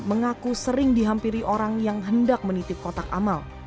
mengaku sering dihampiri orang yang hendak menitip kotak amal